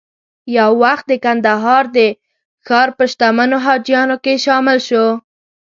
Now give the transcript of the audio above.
یو وخت د کندهار د ښار په شتمنو حاجیانو کې شامل شو.